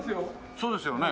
そうですよね。